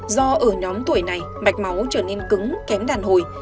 do ở nhóm tuổi này mạch máu trở nên cứng kém đàn hồi